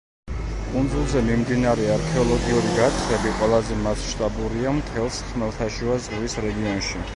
კუნძულზე მიმდინარე არქეოლოგიური გათხრები ყველაზე მასშტაბურია მთელს ხმელთაშუა ზღვის რეგიონში.